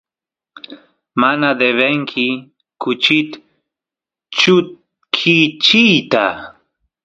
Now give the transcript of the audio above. mana devenki kuchit chutkichiyta